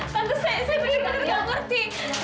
tante saya benar benar tidak mengerti